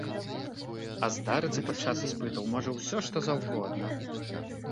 А здарыцца падчас іспытаў можа ўсё што заўгодна.